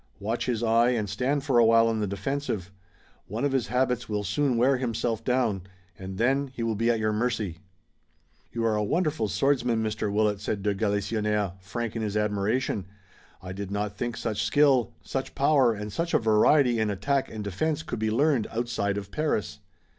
Watch his eye and stand for a while on the defensive. One of his habits, will soon wear himself down, and then he will be at your mercy." "You are a wonderful swordsman, Mr. Willet," said de Galisonnière, frank in his admiration. "I did not think such skill, such power and such a variety in attack and defense could be learned outside of Paris."